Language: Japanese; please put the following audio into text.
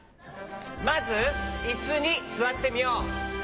まずいすにすわってみよう。